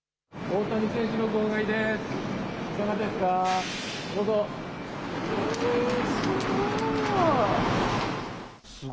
大谷選手の号外です。